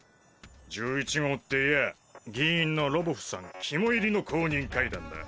１１号っていやぁ議員のロヴォフさん肝煎りの公認階段だ。